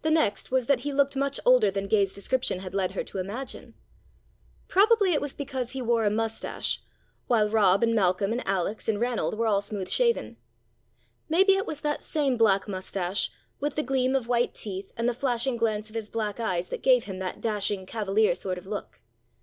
The next was that he looked much older than Gay's description had led her to imagine. Probably it was because he wore a moustache, while Rob and Malcolm and Alex and Ranald were all smooth shaven. Maybe it was that same black moustache, with the gleam of white teeth and the flashing glance of his black eyes that gave him that dashing cavalier sort of look.